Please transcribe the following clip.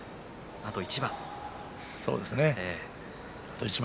あと一番。